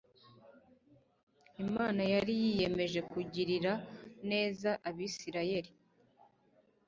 Imana yari yiyemeje kugirira neza Abisirayeli;